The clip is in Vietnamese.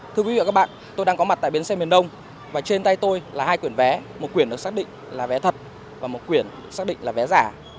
thưa quý vị và các bạn tôi đang có mặt tại bến xe miền đông và trên tay tôi là hai quyển vé một quyển được xác định là vé thật và một quyển được xác định là vé giả